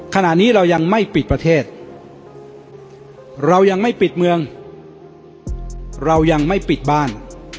ขณะนี้เรายังไม่ปิดประเทศเรายังไม่ปิดเมืองเรายังไม่ปิดบ้าน